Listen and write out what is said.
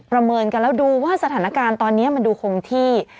เมินกันแล้วดูว่าสถานการณ์ตอนนี้มันดูคงที่